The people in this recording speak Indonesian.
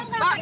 pak luka pak